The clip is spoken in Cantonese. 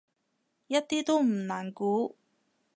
一啲都唔難估